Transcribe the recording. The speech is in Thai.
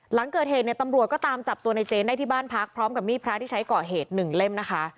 หลังเกิดเหตุเนี่ยตำรวจก็ตามจับตัวในเจนได้ที่บ้านพักพร้อมกับมีดพระที่ใช้ก่อเหตุหนึ่งเล่มนะคะ